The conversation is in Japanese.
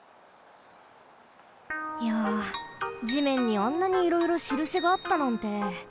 いや地面にあんなにいろいろしるしがあったなんて。